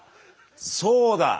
そうだ。